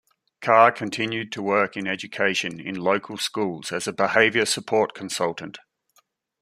Carr continued to work in Education in local schools as a behaviour support consultant.